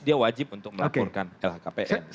dia wajib untuk melaporkan lhkpn